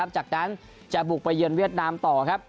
จากนั้นจะบุกไปเยือนเวียดนามต่อครับ